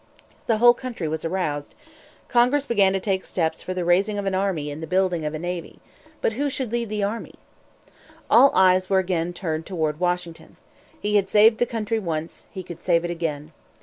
The whole country was aroused. Congress began to take steps for the raising of an army and the building of a navy. But who should lead the army? All eyes were again turned toward Washington. He had saved the country once; he could save it again.